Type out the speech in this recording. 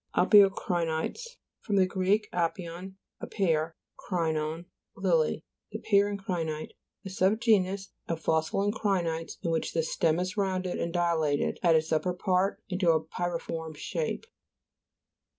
Apio'cRiifiTEs fr. gr. apion. a pear ; krinon, lily. The pear en crinite (p. 149). A sub genus of fossil encri'nites, in which the stem is rounded and dilated, at its upper part, into a pyriform shape.